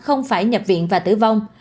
không phải nhập viện và tử vong